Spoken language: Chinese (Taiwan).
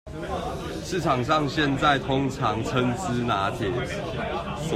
市場上現在通常稱之拿鐵